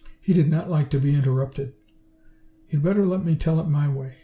He did not like to be interrupted. "You'd better let me tell it my way.